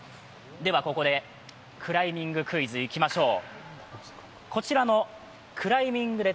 では、ここでクライミングクイズいきましょう。